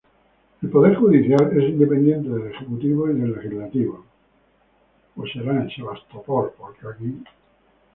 El Poder Judicial es independiente del Ejecutivo y del Legislativo.